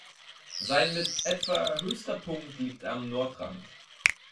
Sein mit etwa höchster Punkt liegt am Nordrand.